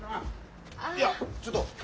いやちょっと。